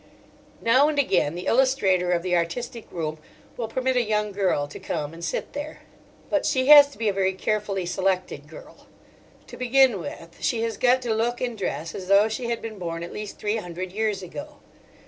Now and again the illustrator of the artistic room will permit a young girl to come and sit there. But she has to be a very carefully selected girl. To begin with, she has got to look and dress as though she had been born at least three hundred years ago.